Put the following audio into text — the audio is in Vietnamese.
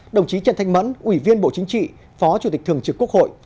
đồng chí trần thanh mẫn ủy viên bộ chính trị phó chủ tịch thường trực quốc hội